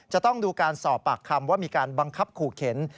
จะต้องดูการสอบปากคำว่ามีการบังคับขู่เข็น